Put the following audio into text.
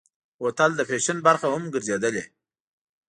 بوتل د فیشن برخه هم ګرځېدلې.